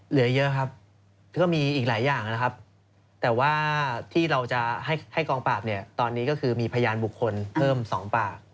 เหลือเยอะครับก็มีอีกหลายอย่างนะครับแต่ว่าที่เราจะให้กองปราบเนี่ยตอนนี้ก็คือมีพยานบุคคลเพิ่ม๒ปาก